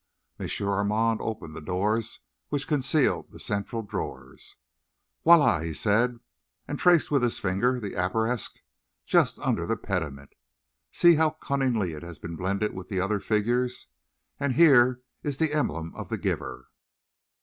M. Armand opened the doors which concealed the central drawers. "Voilà!" he said, and traced with his finger the arabesque just under the pediment. "See how cunningly it has been blended with the other figures. And here is the emblem of the giver."